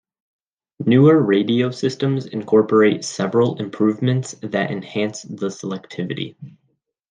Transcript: Newer radio systems incorporate several improvements that enhance the selectivity.